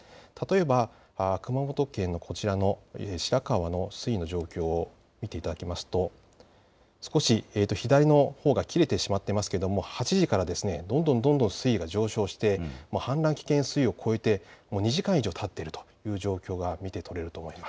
例えば熊本県の白川の水位の状況を見ていただきますと少し左のほうが切れてしまっていますけれども８時からどんどん水位が上昇して氾濫危険水位を超えて２時間以上たっているという状況が見て取れると思います。